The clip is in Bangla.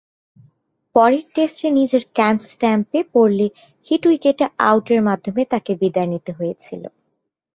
পরের টেস্টে নিজের ক্যাপ স্ট্যাম্পে পড়লে হিট উইকেটে আউটের মাধ্যমে তাকে বিদায় নিতে হয়েছিল।